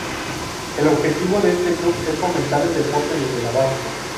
El objetivo de este club es fomentar el deporte desde la base.